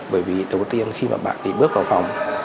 bởi vì đầu tiên khi mà bạn ấy bước vào phòng